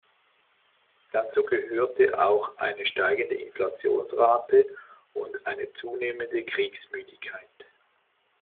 Dazu gehörte auch eine steigende Inflationsrate und eine zunehmende Kriegsmüdigkeit.